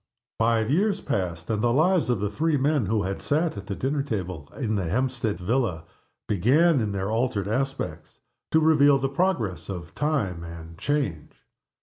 Five years passed and the lives of the three men who had sat at the dinner table in the Hampstead villa began, in their altered aspects, to reveal the progress of time and change.